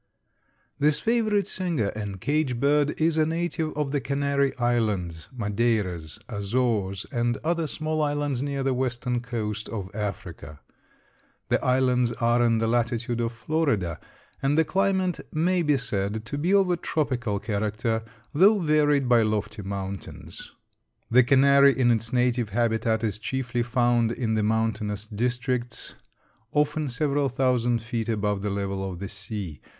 This favorite singer and cage bird is a native of the Canary Islands, Madeiras, Azores and other small islands near the western coast of Africa. The islands are in the latitude of Florida and the climate may be said to be of a tropical character, though varied by lofty mountains. The canary in its native habitat is chiefly found in the mountainous districts, often several thousand feet above the level of the sea.